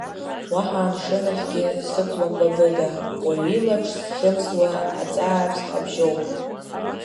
Уаҳа амшынахьгьы сықәлом ба быда, уаҩ илаԥш зхьымсуа аҵааԥс ҳабжьоуп.